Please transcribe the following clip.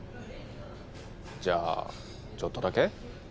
じゃあちょっとだけ？